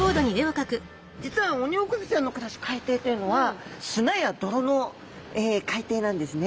実はオニオコゼちゃんの暮らす海底というのは砂や泥の海底なんですね。